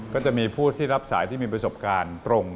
ก็จะมีผู้ที่รับสายที่มีประสบการณ์ตรง